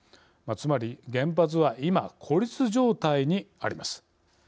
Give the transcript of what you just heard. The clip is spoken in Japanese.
つまり原発は今孤立状態にあります。